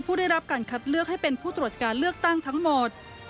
ผู้ได้รับการคัดเลือกให้เป็นผู้ตรวจการเลือกตั้งทั้งหมด